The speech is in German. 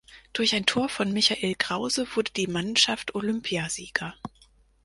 Durch ein Tor von Michael Krause wurde die Mannschaft Olympiasieger.